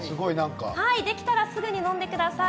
できたらすぐに飲んでください。